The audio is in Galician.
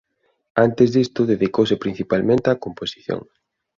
Antes disto dedicouse principalmente á composición.